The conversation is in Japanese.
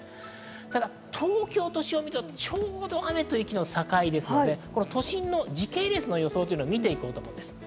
ただ東京都心を見ると、ちょうど雨と雪の境ですので、都心の時系列の予想を見て行こうと思います。